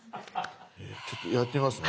ちょっとやってみますね。